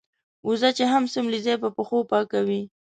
وزه چې هم څملې ځای په پښو پاکوي.